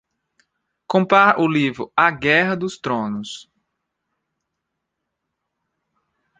Comprar o livro A Guerra dos Tronos